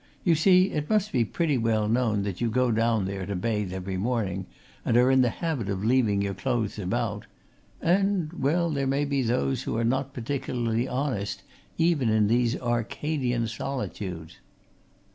You see, it must be pretty well known that you go down there to bathe every morning, and are in the habit of leaving your clothes about and, well there may be those who're not particularly honest even in these Arcadian solitudes."